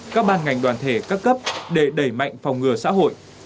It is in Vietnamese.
các ban ngành đoàn thể các cấp để đẩy mạnh phòng ngừa xã hội